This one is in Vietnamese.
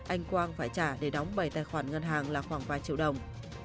anh quang phải trả để đóng bảy tài khoản ngân hàng là khoảng vài triệu đồng